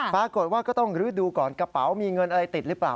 ปรากฏว่าก็ต้องดูก่อนกระเป๋ามีเงินอะไรติดหรือเปล่า